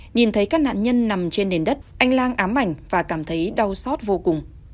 nhìn thấy các nạn nhân nằm trên nền đất anh lang ám ảnh và cảm thấy đau xót vô cùng